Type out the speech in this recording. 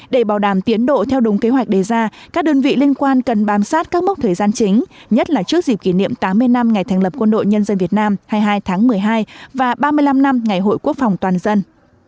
để bảo đảm tiến độ theo đúng kế hoạch đề ra các đơn vị liên quan cần bám sát các mốc thời gian chính nhất là trước dịp kỷ niệm tám mươi năm ngày thành lập quân đội nhân dân việt nam hai mươi hai tháng một mươi hai và ba mươi năm năm ngày hội quốc phòng toàn dân